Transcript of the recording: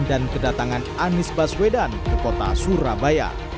dan kedatangan anis baswedan ke kota surabaya